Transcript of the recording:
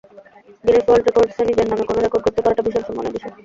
Guinness world রেকর্ডসে নিজের নামে কোনো রেকর্ড গড়তে পারাটা ভীষণ সম্মানের বিষয়।